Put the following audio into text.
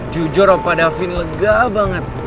jujur opadahvin lega banget